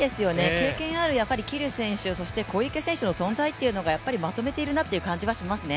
経験のある桐生選手そして、小池選手の存在っていうのがまとめているなという感じはしますね。